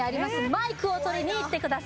マイクをとりにいってください